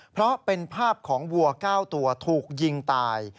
เพราะเป็นภาพของวัว๙ตัวถูกยิงตาย